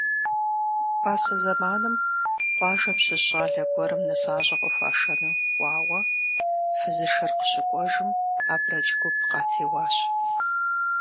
Пасэ зэманым къуажэм щыщ щӀалэ гуэрым нысащӀэ къыхуашэну кӀуауэ, фызышэр къыщыкӀуэжым, абрэдж гуп къатеуащ.